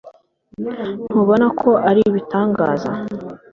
ntubona ko ari ibitangaza